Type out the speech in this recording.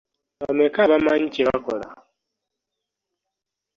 Bameka abamanyi kye bakola?